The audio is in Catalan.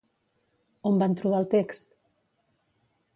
On van trobar el text?